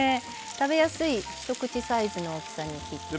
食べやすい一口サイズの大きさに切って。